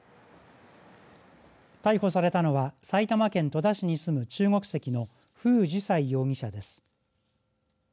逮捕されたのは埼玉県戸田市に住む中国籍の馮じ彩容疑者です。